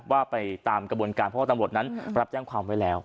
ว่าไปตามกระบวนการเพราะว่าตำรวจนั้นรับแจ้งความไว้แล้ว